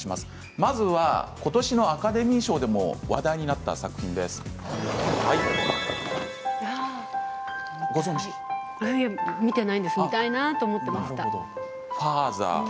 まずは、ことしのアカデミー賞でも話題になった「ファーザー」です。